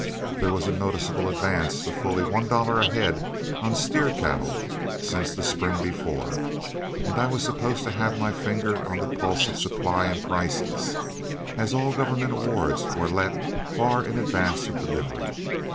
There was a noticeable advance of fully one dollar a head on steer cattle since the spring before, and I was supposed to have my finger on the pulse of supply and prices, as all government awards were let far in advance of delivery.